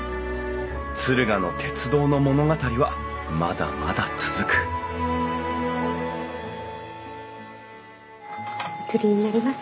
敦賀の鉄道の物語はまだまだ続くお釣りになります。